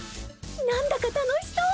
なんだか楽しそう。